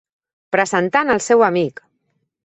Presentant el seu amic!